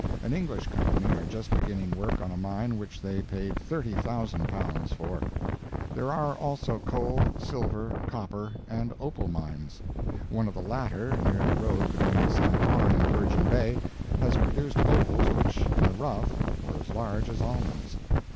An English Company are just beginning work on a mine which they paid £30,000 for. There are also coal, silver, copper and opal mines. One of the latter, near the road between San Juan and Virgin Bay, has produced opals which, in the rough, were as large as almonds.